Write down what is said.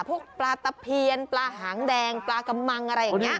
พวกปลาตะเพียนปลาหางแดงปลากำมังอะไรอย่างนี้